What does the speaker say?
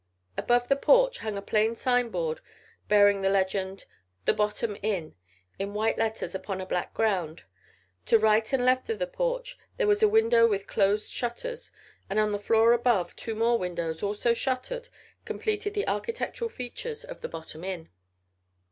Above the porch hung a plain sign board bearing the legend: "The Bottom Inn" in white letters upon a black ground: to right and left of the porch there was a window with closed shutters, and on the floor above two more windows also shuttered completed the architectural features of the Bottom Inn.